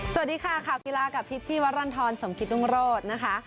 สวัสดีค่ะค่ะกีฬากับพิษที่วรรณฑรสมคริตรรวงโรศนะคะ